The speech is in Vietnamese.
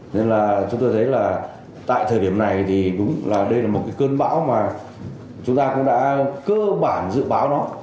nên là chúng tôi thấy là tại thời điểm này thì đúng là đây là một cái cơn bão mà chúng ta cũng đã cơ bản dự báo nó